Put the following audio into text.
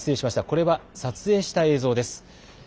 これは撮影した映像です。